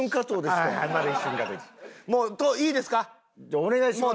お願いします。